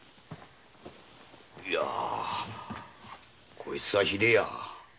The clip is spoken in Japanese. こいつはひでえや。